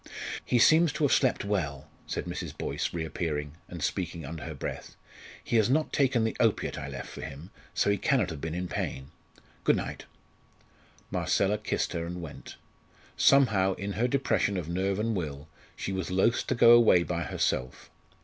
"He seems to have slept well," said Mrs. Boyce, reappearing, and speaking under her breath. "He has not taken the opiate I left for him, so he cannot have been in pain. Good night." Marcella kissed her and went. Somehow, in her depression of nerve and will, she was loth to go away by herself.